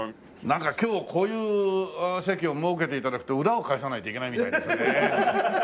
なんか今日こういう席を設けて頂くと裏を返さないといけないみたいですよね。